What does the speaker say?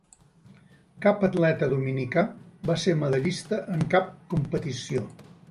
Cap atleta dominica va ser medallista en cap competició.